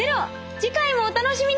次回もお楽しみに！